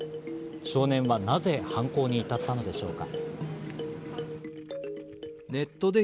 少年はなぜ犯行に至ったのでしょうか。